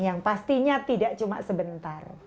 yang pastinya tidak cuma sebentar